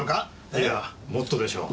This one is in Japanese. いやもっとでしょう。